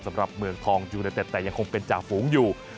สำหรับเมืองทองยูเนเต็ดแต่ยังคงเป็นจ่าฝูงอยู่